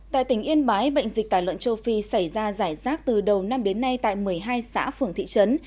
tại tỉnh yên bái bệnh dịch tả lợn châu phi xảy ra giải rác từ đầu năm đến nay tại một mươi hai xã phường thị trấn